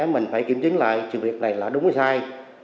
mình phải kiểm chứng lại sự việc này là đúng hay sai